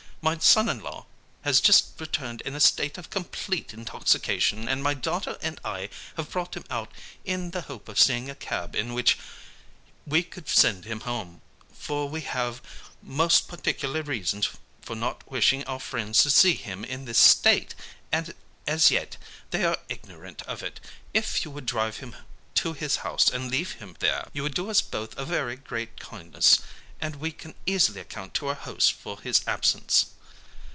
My son in law has just returned in a state of complete intoxication, and my daughter and I have brought him out in the hope of seeing a cab in which we could send him home, for we have most particular reasons for not wishing our friends to see him in this state, and as yet they are ignorant of it. If you would drive him to his house and leave him there, you would do us both a very great kindness, and we can easily account to our hosts for his absence.'